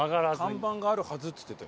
看板があるはずって言ってたよ。